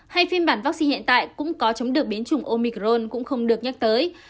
hay phiên bản vaccine hiện tại cũng có chống được biến chủng omicron cũng không được nhắc tới